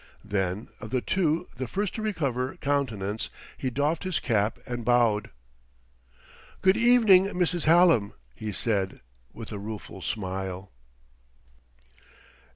Then, of the two the first to recover countenance, he doffed his cap and bowed. "Good evening, Mrs. Hallam," he said with a rueful smile.